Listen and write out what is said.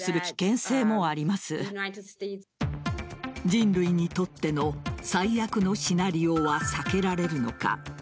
人類にとっての最悪のシナリオは避けられるのか。